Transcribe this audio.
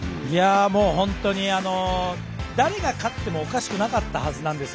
本当に誰が勝ってもおかしくなかったはずなんですよ。